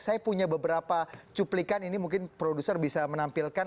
saya punya beberapa cuplikan ini mungkin produser bisa menampilkan